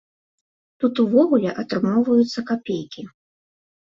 Тут увогуле атрымоўваюцца капейкі.